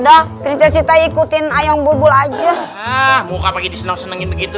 dah kita ikutin ayam bulbul aja ah muka pakai disenang senangin begitu